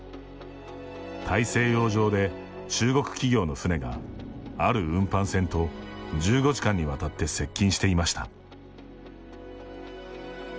大西洋上で、中国企業の船がある運搬船と１５時間にわたって接近していました。